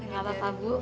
gak apa apa bu